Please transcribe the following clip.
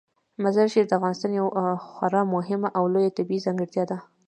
مزارشریف د افغانستان یوه خورا مهمه او لویه طبیعي ځانګړتیا ده.